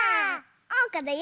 おうかだよ！